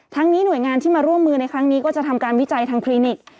นี้หน่วยงานที่มาร่วมมือในครั้งนี้ก็จะทำการวิจัยทางคลินิก